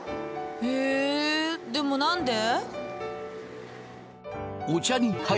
へえでも何で？